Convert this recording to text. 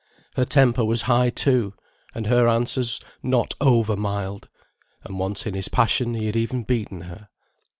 Her temper was high, too, and her answers not over mild; and once in his passion he had even beaten her.